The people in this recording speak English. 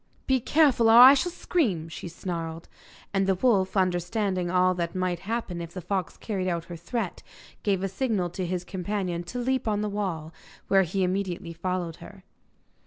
'Be careful, or I shall scream,' she snarled. And the wolf, understanding all that might happen if the fox carried out her threat, gave a signal to his companion to leap on the wall, where he immediately followed her.